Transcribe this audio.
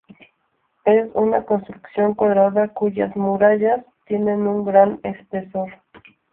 Es una construcción cuadrada cuyas murallas tienen un gran espesor.